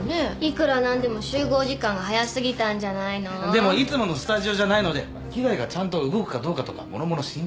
でもいつものスタジオじゃないので機材がちゃんと動くかどうかとかもろもろ心配で。